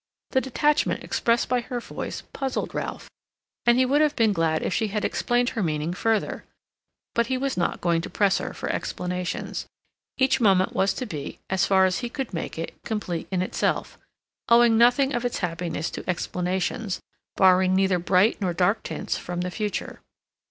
The detachment expressed by her voice puzzled Ralph, and he would have been glad if she had explained her meaning further. But he was not going to press her for explanations. Each moment was to be, as far as he could make it, complete in itself, owing nothing of its happiness to explanations, borrowing neither bright nor dark tints from the future.